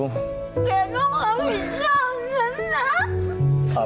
แกต้องรับผิดชอบฉันนะ